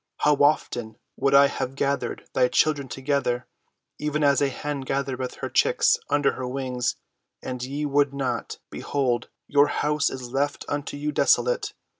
how often would I have gathered thy children together, even as a hen gathereth her chickens under her wings, and ye would not! Behold, your house is left unto you desolate.